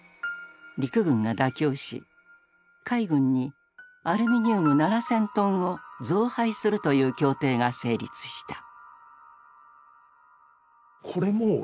陸軍が妥協し海軍にアルミニウム７０００トンを増配するという協定が成立した。